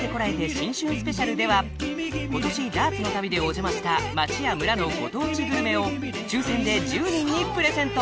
新春スペシャル』では今年ダーツの旅でお邪魔した町や村のご当地グルメを抽選で１０人にプレゼント